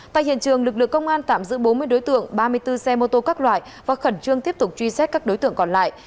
tại hiện trường lực lượng công an tạm giữ bốn mươi đối tượng ba mươi bốn xe mô tô các loại và khẩn trương tiếp tục truy xét các đối tượng còn lại